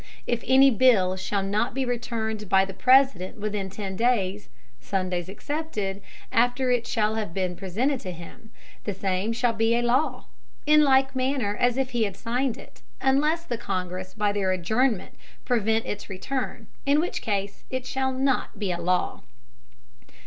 If any Bill shall not be returned by the President within ten Days (Sundays excepted) after it shall have been presented to him, the same shall be a Law, in like Manner as if he had signed it, unless the Congress by their Adjournment prevent its Return, in which Case it shall not be a Law.